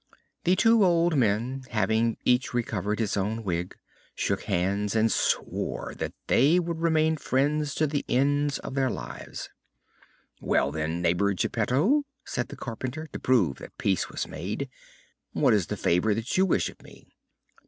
The two old men having each recovered his own wig, shook hands and swore that they would remain friends to the end of their lives. "Well, then, neighbor Geppetto," said the carpenter, to prove that peace was made, "what is the favor that you wish of me?"